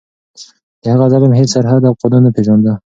د هغه ظلم هیڅ سرحد او قانون نه پېژانده.